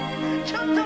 ちょっと。